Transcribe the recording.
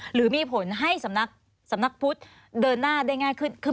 หรือมีผลให้สำนักสำนักพุทธเดินหน้าได้ง่ายขึ้น